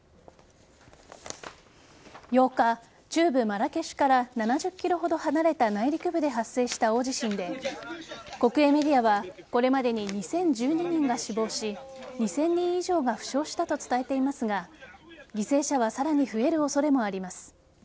８日、中部マラケシュから７０キロほど離れた内陸部で発生した大地震で国営メディアはこれまでに２０１２人が死亡し２０００人以上が負傷したと伝えていますが犠牲者は、さらに増える恐れもあります。